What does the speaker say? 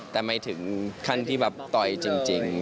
แต่ไม่ถึงขั้นที่แบบต่อยจริง